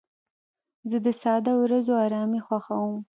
زه د ساده ورځو ارامي خوښوم.